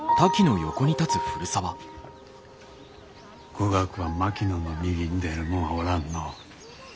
語学は槙野の右に出る者はおらんのう。